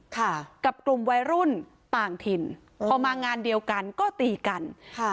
ค่ะกับกลุ่มวัยรุ่นต่างถิ่นพอมางานเดียวกันก็ตีกันค่ะ